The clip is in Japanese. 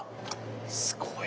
すごい。